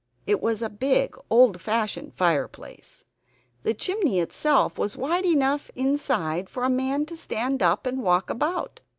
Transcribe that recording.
It was a big old fashioned fireplace. The chimney itself was wide enough inside for a man to stand up and walk about.